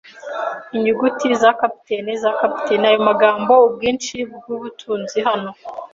inyuguti za capitaine za capitaine, aya magambo: "Ubwinshi bwubutunzi hano."